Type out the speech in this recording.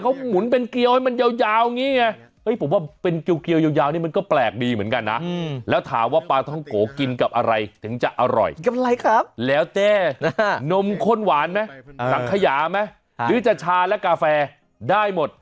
นมข้นหวานไหมขยาไหมหรือจะชาและกาแฟได้หมด